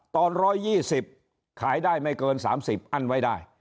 ตอน๑๒๐ขายได้ไม่เกิน๓๐อั้นไว้ได้